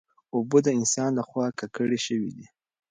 اوبه د انسان له خوا ککړې شوې دي.